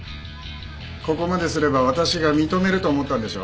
ここまですれば私が認めると思ったんでしょう。